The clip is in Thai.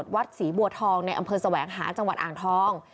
วัดศรีบัวทองในอำเภอแสวงหาจังหวัดอ่างทอง